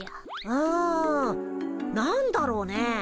うん何だろうね？